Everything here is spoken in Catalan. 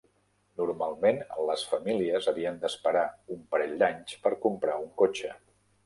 Normalment les famílies havien d'esperar un parell d'anys per comprar un cotxe.